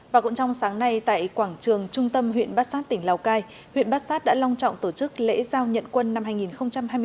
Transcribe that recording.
và cũng trong sáng nay tại quảng trường trung tâm huyện bát sát tỉnh lào cai huyện bát sát đã long trọng tổ chức lễ giao nhận quân năm hai nghìn hai mươi bốn